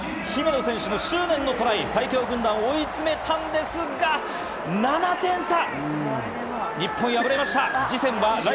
姫野選手の執念のトライで最強軍団を追い詰めたんですが、７点差、日本、敗れました。